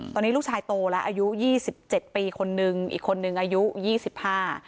ตอนนี้ลูกชายโตแล้วอายุยี่สิบเจ็ดปีคนนึงอีกคนนึงอายุยี่สิบห้า